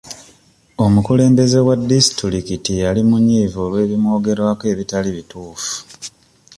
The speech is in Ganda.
Omukulembeze wa disitulikiti yali munyiivu olw'ebimwogerwako ebitali bituufu.